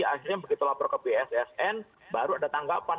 akhirnya begitu lapor ke bssn baru ada tanggapan